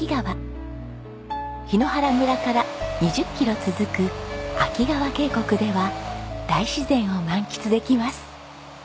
檜原村から２０キロ続く秋川渓谷では大自然を満喫できます。